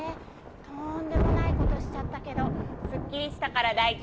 とんでもないことしちゃったけど、すっきりしたから大吉！